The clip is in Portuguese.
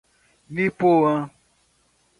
Nipoã